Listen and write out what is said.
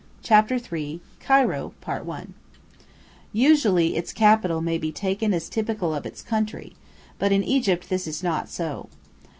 CHAPTER III CAIRO I Usually its capital may be taken as typical of its country; but in Egypt this is not so.